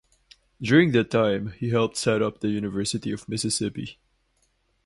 During that time, he helped set up the University of Mississippi.